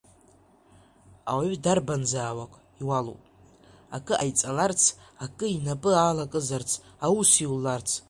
Ауаҩы, дарбанзаалак, иуалуп акы ҟаиҵаларц, акы инапы алакызарц, аус иуларц.